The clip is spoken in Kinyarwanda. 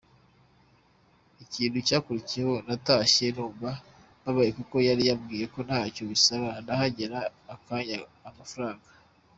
Ikintu cyakurikiyeho natashye numva mbabaye kuko yari yambwiye ko ntacyo bisaba nahagera akanyaka amafranga.